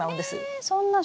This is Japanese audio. えそんな！